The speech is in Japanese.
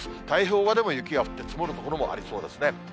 太平洋側でも雪が降って、積もる所もありそうですね。